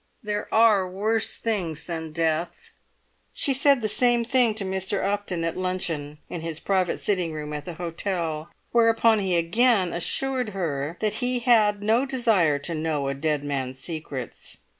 There are worse things than death!" She said the same thing to Mr. Upton at luncheon in his private sitting room at the hotel, whereupon he again assured her that he had no desire to know a dead man's secrets.